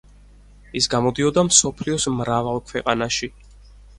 ის გამოდიოდა მსოფლიოს მრავალ ქვეყანაში.